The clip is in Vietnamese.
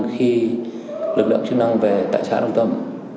lực lượng chức năng về tại xã đồng tâm